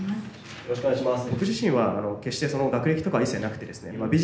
よろしくお願いします。